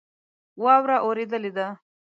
واوره اوریدلی ده